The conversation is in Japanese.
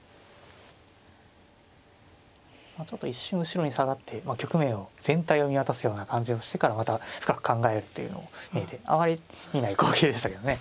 ちょっと一瞬後ろに下がって局面を全体を見渡すような感じをしてからまた深く考えるというのも見えてあまり見ない光景でしたけどね。